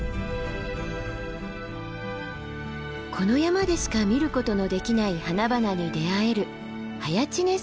この山でしか見ることのできない花々に出会える早池峰山です。